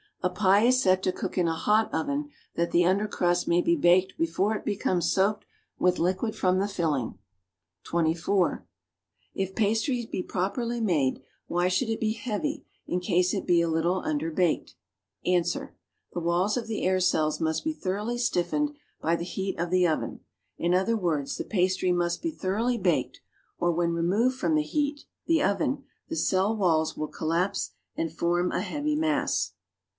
A pie is set to cook in a hot oven that the under crust may be baked before it becomes soaked with Uquid from the filling. ('24) If pastry be properly made, why should it be heavy in case it be a little under baked? Ans. The walls of the air cells must be thoroughly stiffened by the heat of the oven, — in other words the pastry must be thor oughly baked — or when removed from the heat (the oven) the cell walls will collapse and form a heavy mass.